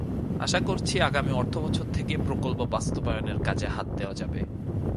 আশা করছি, আগামী অর্থবছর থেকে প্রকল্প বাস্তবায়নের কাজে হাত দেওয়া যাবে।